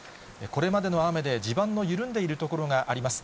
これまでの雨で地盤の緩んでいる所があります。